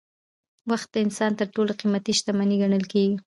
وخت د انسان تر ټولو قیمتي شتمني ګڼل کېږي.